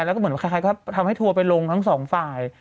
แล้วก็เหมือนคล้ายก็ทำให้ทัวร์ไปลงทั้งสองฝ่าย